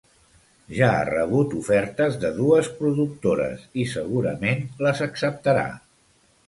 Ja ha rebut ofertes de dues productores i segurament les acceptarà.